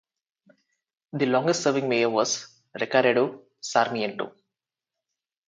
The longest serving Mayor was Recaredo Sarmiento.